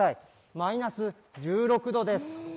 マイナス１６度です。